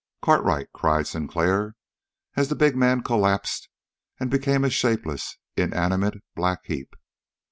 "Cartwright!" cried Sinclair, as the big man collapsed and became a shapeless, inanimate black heap.